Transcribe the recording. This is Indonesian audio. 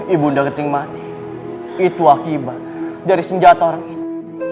ibu nda geting mani itu akibat dari senjata orang itu